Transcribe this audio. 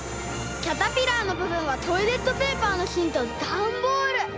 キャタピラーのぶぶんはトイレットペーパーのしんとダンボール。